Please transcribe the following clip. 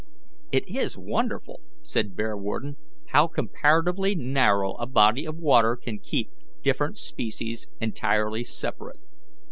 "It is wonderful," said Bearwarden, "how comparatively narrow a body of water can keep different species entirely separate.